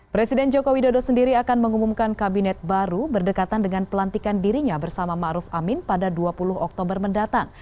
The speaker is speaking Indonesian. presiden jokowi dodo sendiri akan mengumumkan kabinet baru berdekatan dengan pelantikan dirinya bersama ⁇ maruf ⁇ amin pada dua puluh oktober mendatang